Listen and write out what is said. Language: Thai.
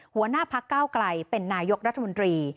หัวหน้าพักเก้าไกลเป็นนายกรัฐมนตรี